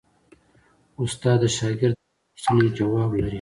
استاد د شاګرد د هرې پوښتنې ځواب لري.